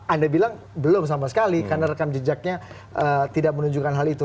anda bilang belum sama sekali karena rekam jejaknya tidak menunjukkan hal itu